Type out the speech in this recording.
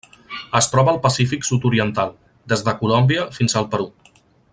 Es troba al Pacífic sud-oriental: des de Colòmbia fins al Perú.